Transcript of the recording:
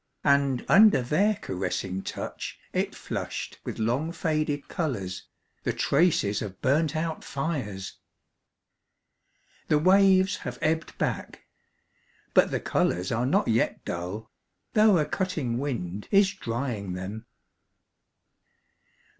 . and under their caressing touch it flushed with long faded colours, the traces of burnt out fires ! The waves have ebbed back ... but the colours are not yet dull, though a cutting wind is drying them.